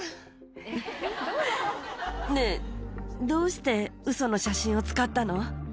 ねえ、どうしてウソの写真を使ったの？